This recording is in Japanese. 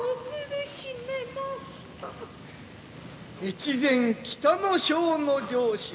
越前北ノ庄の城主